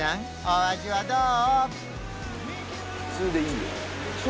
お味はどう？